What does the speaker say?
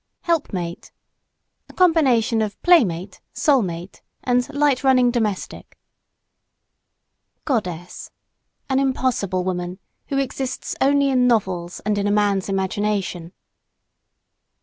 HELPMATE A combination of playmate, soul mate, and light running domestic. GODDESS An impossible woman, who exists only in novels and in a man's imagination.